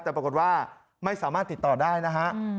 แต่ปรากฏว่าไม่สามารถติดต่อได้นะฮะ